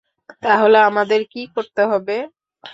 তাহলে আমাদের কি করতে হবে?